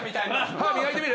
歯磨いてみる？